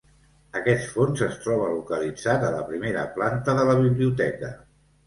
Aquest fons es troba localitzat a la primera planta de la biblioteca.